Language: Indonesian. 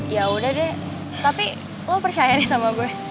ya udah deh tapi lo percaya deh sama gue